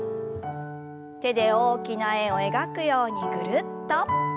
手で大きな円を描くようにぐるっと。